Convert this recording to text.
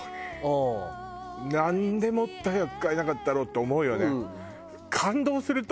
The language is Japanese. なんでもっと早く替えなかったろうって思うよね。